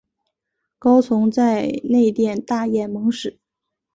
高宗在内殿大宴蒙使。